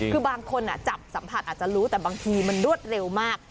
คือบางคนจับสัมผัสอาจจะรู้แต่บางทีมันรวดเร็วมาก